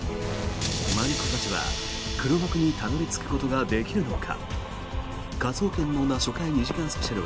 マリコたちは、黒幕にたどり着くことができるのか。